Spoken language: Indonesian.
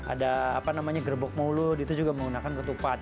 ada apa namanya gerbok mulut itu juga menggunakan ketupat